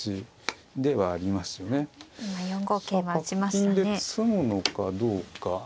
角金で詰むのかどうか。